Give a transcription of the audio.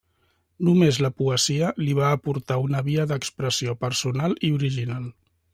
Només la poesia li va aportar una via d'expressió personal i original.